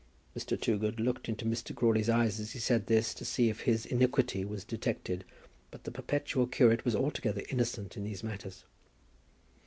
Mr. Toogood looked into Mr. Crawley's eyes as he said this, to see if his iniquity were detected, but the perpetual curate was altogether innocent in these matters.